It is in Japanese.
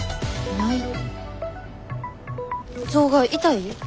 ないぞうが痛い？